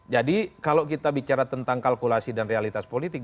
jadi kalau kita bicara tentang kalkulasi dan realitas politik